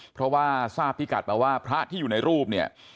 เพราะว่าทราบพิกัดมาว่าพระที่อยู่ในรูปเนี่ย